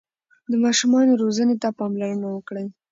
د ماشومانو روزنې ته پاملرنه وکړئ.